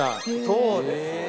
そうです！